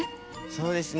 そうですね。